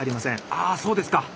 あそうですか。